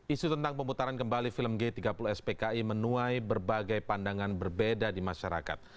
isu tentang pemutaran kembali film g tiga puluh spki menuai berbagai pandangan berbeda di masyarakat